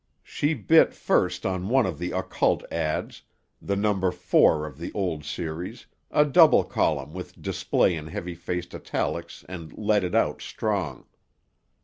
She bit first on one of the occult ads—the number four of the old series, a double column with display in heavy faced italics and leaded out strong.